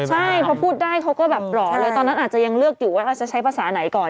ใช่พอพูดได้เขาก็แบบหล่อเลยตอนนั้นอาจจะยังเลือกอยู่ว่าเราจะใช้ภาษาไหนก่อน